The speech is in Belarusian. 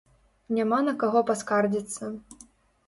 Няма на каго паскардзіцца.